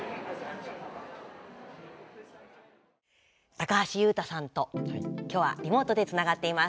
高橋悠太さんと今日はリモートでつながっています。